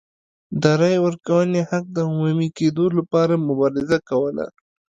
د رایې ورکونې حق د عمومي کېدو لپاره مبارزه کوله.